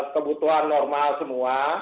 kebutuhan normal semua